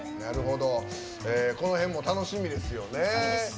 この辺も楽しみですよね。